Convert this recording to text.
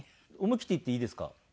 思いきって言っていいですか？